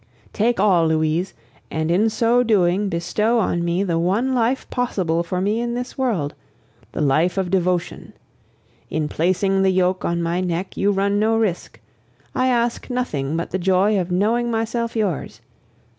"Take all, Louise, and is so doing bestow on me the one life possible for me in this world the life of devotion. In placing the yoke on my neck, you run no risk; I ask nothing but the joy of knowing myself yours.